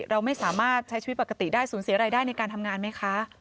เราไม่สามารถใช้ชีวิตปกติได้สูญเสียรายได้ในการทำงานไหมคะ